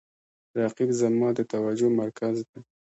رقیب زما د توجه مرکز دی